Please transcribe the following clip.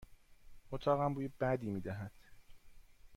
اتاقم بوی بدی می دهد.